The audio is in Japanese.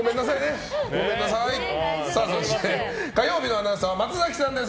そして火曜日のアナウンサーは松崎さんです。